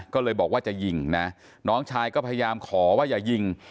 ก็เลยบอกว่าจะยิงนะน้องชายก็พยายามขอว่าอย่ายิง